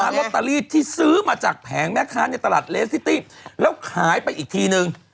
ลอตเตอรี่ที่ซื้อมาจากแผงแม่ค้าในตลาดเลสซิตี้แล้วขายไปอีกทีนึง